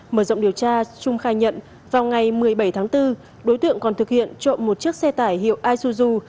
mở rộng điều tra trung khai nhận vào ngày một mươi bảy tháng bốn đối tượng còn thực hiện trộm một chiếc xe tải hiệu isuzu